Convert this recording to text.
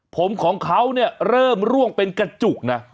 ผมของเขาเนี่ยเริ่มร่วงเป็นกระจุกนะ